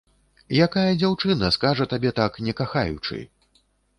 Якая дзяўчына скажа табе так, не кахаючы?